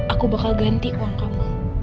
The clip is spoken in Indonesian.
aku bakal ganti uang kamu